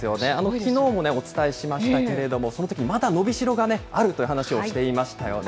きのうもお伝えしましたけれども、そのとき、まだ伸びしろがあるという話をしていましたよね。